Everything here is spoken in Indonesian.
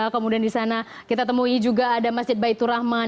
kemudian di sana kita temui juga ada masjid baitur rahman